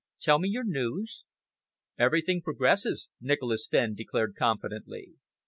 "Tell me your news?" "Everything progresses," Nicholas Fenn declared confidently.